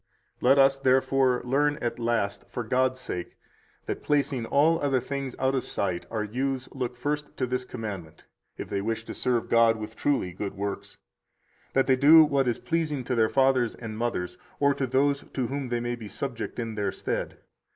115 Let us, therefore, learn at last, for God's sake, that, placing all other things out of sight, our youths look first to this commandment, if they wish to serve God with truly good works, that they do what is pleasing to their fathers and mothers, or to those to whom they may be subject in their stead.